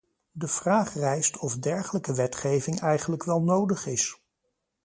De vraag rijst of dergelijke wetgeving eigenlijk wel nodig is.